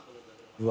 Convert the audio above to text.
うわ。